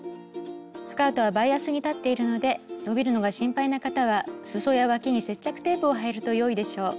スカートはバイアスに裁っているので伸びるのが心配な方はすそやわきに接着テープを貼るとよいでしょう。